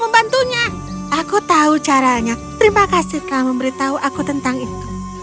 membantunya aku tahu caranya terima kasih telah memberitahu aku tentang itu